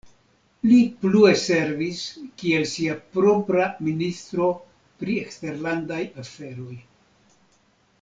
Li plue servis kiel sia propra Ministro pri eksterlandaj aferoj.